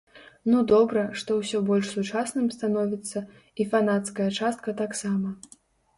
Ну добра, што ўсё больш сучасным становіцца, і фанацкая частка таксама.